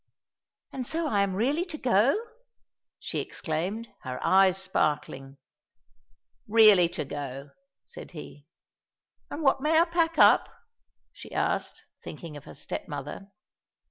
"And so I am really to go?" she exclaimed, her eyes sparkling. "Really to go," said he. "And what may I pack up?" she asked, thinking of her step mother.